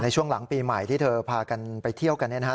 ช่วงหลังปีใหม่ที่เธอพากันไปเที่ยวกันเนี่ยนะฮะ